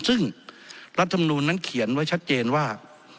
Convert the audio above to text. ซึ่งรัฐมนูลนั้นเขียนไว้ชัดเจนว่า